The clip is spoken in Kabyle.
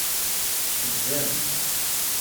Tebdam.